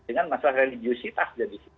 dengan masalah religiositas